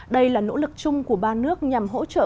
đây là nỗ lực chung của ba nước nhằm hỗ trợ